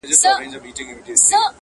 سبا به نه وي لکه نه وو زېږېدلی چنار-